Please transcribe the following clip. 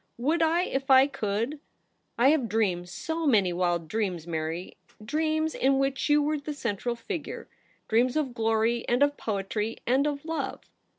' Would I if I could } I have dreamed so many wild dreams, Mary — dreams in which you were the central figure — dreams of glory and of poetry, and of love.'